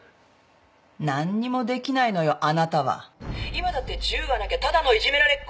今だって銃がなきゃただのいじめられっ子。